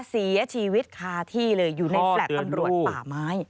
เสียชีวิตคาที่เลยอยู่ในแฟลต์ตำรวจป่าไม้